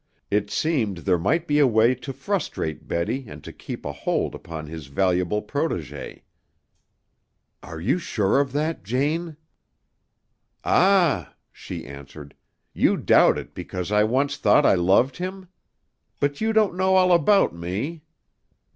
It seemed there might be a way to frustrate Betty and to keep a hold upon his valuable protégée. "Are you so sure of that, Jane?" "Ah!" she answered; "you doubt it because I once thought I loved him? But you don't know all about me...."